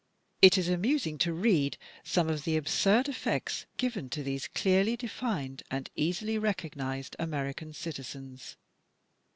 It is amusing to read some of the absurd effects given to these clearly defined and easily recognized American citizens.